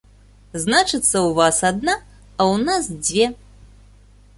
Значыцца, у вас адна, а ў нас дзве!